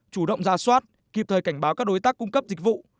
chủ động ra soát kịp thời cảnh báo các đối tác cung cấp dịch vụ